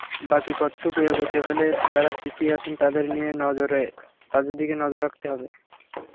বাকি পথটুকু এগোতে হলে যাঁরা পিছিয়ে আছেন, তাঁদের দিকে নজর দিতে হবে।